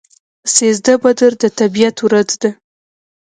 سیزده بدر د طبیعت ورځ ده.